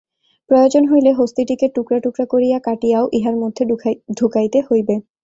প্রয়োজন হইলে হস্তীটিকে টুকরা টুকরা করিয়া কাটিয়াও ইহার মধ্যে ঢুকাইতে হইবে।